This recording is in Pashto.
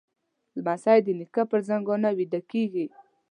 لمسی د نیکه پر زنګانه ویده کېږي.